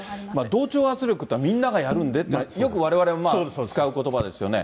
同調圧力っていうのはみんながやるんでって、よくわれわれもまあ、使うことばですよね。